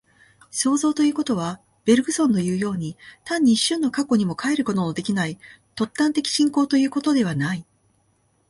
創造ということは、ベルグソンのいうように、単に一瞬の過去にも還ることのできない尖端的進行ということではない。